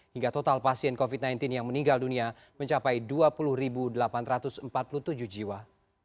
hingga total pasien covid sembilan belas yang meninggal dunia mencapai dua puluh delapan ratus empat puluh tujuh jiwa